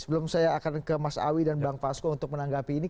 sebelum saya akan ke mas awi dan bang fasko untuk menanggapi ini